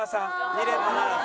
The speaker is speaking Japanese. ２連覇ならず。